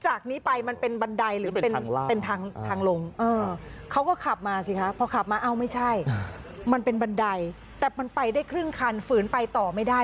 จากนี้ไปมันเป็นบันได